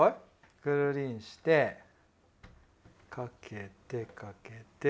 くるりんしてかけてかけて。